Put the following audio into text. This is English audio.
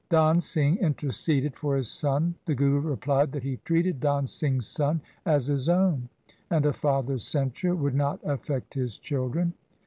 Dan Singh interceded for his son. The Guru replied that he treated Dan Singh's son as his own, and a father's censure would not affect his children.